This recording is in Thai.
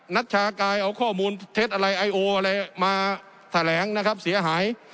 ัชชากายเอาข้อมูลเท็จอะไรไอโออะไรมาแถลงนะครับเสียหาย